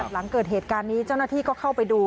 หลังเกิดเหตุการณ์นี้เจ้าหน้าที่ก็เข้าไปดู